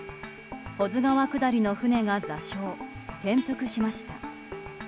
保津川下りの船が座礁・転覆しました。